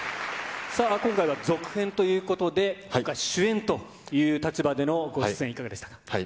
今回は続編ということで、今回、主演という立場でのご出演、いかがでしたか。